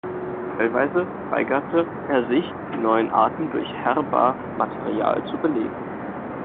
Teilweise weigerte er sich, die neuen Arten durch Herbarmaterial zu belegen.